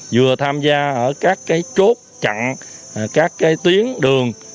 vừa tham gia ở các cái chốt chặn các cái tuyến đường